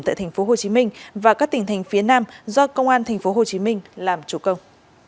tại tp hcm và các tỉnh thành phía nam do công an tp hcm làm chủ công